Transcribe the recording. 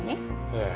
ええ。